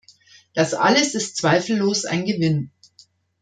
Das alles ist zweifellos ein Gewinn.